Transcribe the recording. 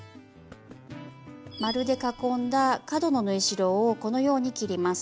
円で囲んだ角の縫い代をこのように切ります。